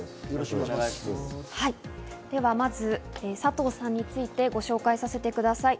まず、佐藤さんについてご紹介させてください。